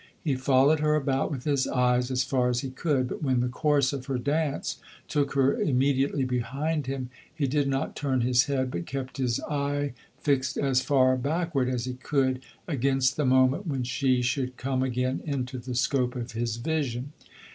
He followed her about with his eyes as far as he could; but when the course of her dance took her immediately behind him he did not turn his head, but kept his eye fixed as far backward as he could, against the moment when she should come again into the scope of his vision.